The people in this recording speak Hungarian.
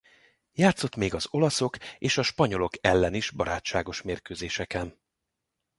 Játszott még az olaszok és a spanyolok ellen is barátságos mérkőzéseken.